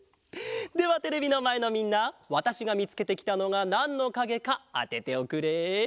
ではテレビのまえのみんなわたしがみつけてきたのがなんのかげかあてておくれ。